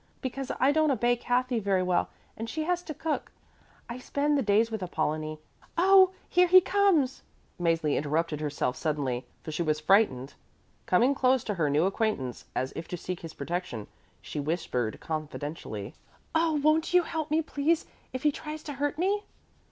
Because I don't obey Kathy very well and she has to cook, I spend the days with Apollonie. Oh, here he comes!" Mäzli interrupted herself suddenly, for she was frightened. Coming close to her new acquaintance, as if to seek his protection, she whispered confidentially. "Oh, won't you help me, please, if he tries to hurt me?"